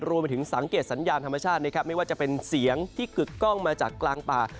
รวมไปถึงสังเกตสัญญาณธรรมชาตินะครับไม่ว่าจะเป็นเสียงที่กึกกล้องมาจากกลางป่า